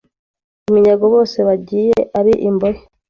iminyago bose bagiye ari imbohe